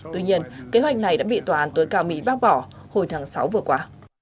tuy nhiên kế hoạch này đã bị tòa án tối cao mỹ bác bỏ hồi tháng sáu vừa qua